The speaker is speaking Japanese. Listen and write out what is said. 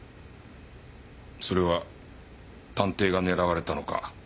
それは探偵が狙われたのか？